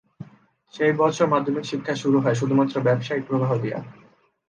সেই বছর, মাধ্যমিক শিক্ষা শুরু হয়, শুধুমাত্র ব্যবসায়িক প্রবাহ দিয়ে।